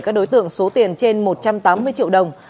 các đối tượng số tiền trên một trăm tám mươi triệu đồng